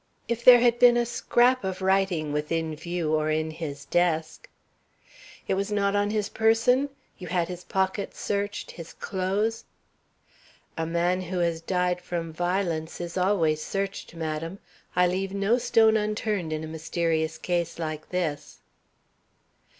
If there had been a scrap of writing within view or in his desk " "It was not on his person? You had his pockets searched, his clothes " "A man who has died from violence is always searched, madam. I leave no stone unturned in a mysterious case like this."